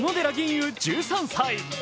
雲１３歳。